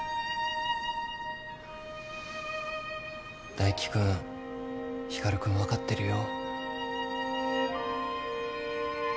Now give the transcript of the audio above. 大輝君光君分かってるよ。